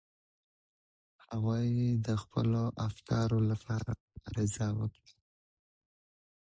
هغوی د خپلو افکارو لپاره مبارزه وکړه.